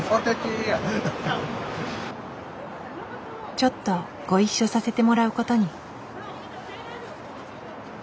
ちょっとご一緒させてもらうことに。